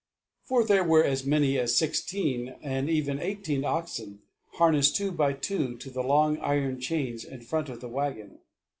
For there were as many as sixteen and even eighteen oxen harnessed two by two to the long iron chains in front of the wagon.